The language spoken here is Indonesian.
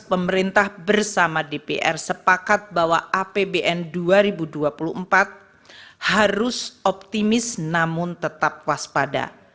pemerintah bersama dpr sepakat bahwa apbn dua ribu dua puluh empat harus optimis namun tetap waspada